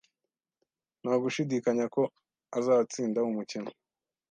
Nta gushidikanya ko azatsinda umukino.